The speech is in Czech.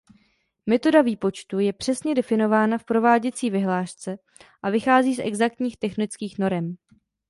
Metoda výpočtu je přesně definována v prováděcí vyhlášce a vychází z exaktních technických norem.